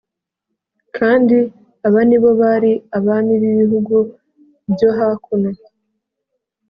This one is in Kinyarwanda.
Kandi aba ni bo bari abami b’ibihugu byo hakuno